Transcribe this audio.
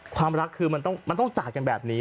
ความรักคือมันต้องจากกันแบบนี้